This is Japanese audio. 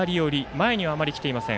前にはあまり来ていません。